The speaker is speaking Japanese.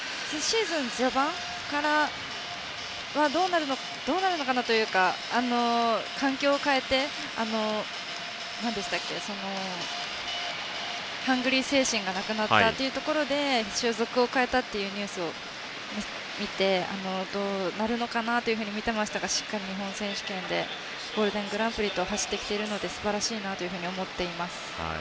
シーズン序盤はどうなるのかなというか環境を変えてハングリー精神がなくなったというところで所属を変えたというニュースを見てどうなるのかなと見ていましたがしっかり日本選手権ゴールデングランプリと走ってきているのですばらしいなというふうに思っています。